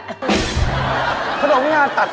ขนมงาตัด